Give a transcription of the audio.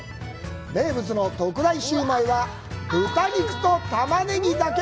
名物の特大シューマイは豚肉とタマネギだけ。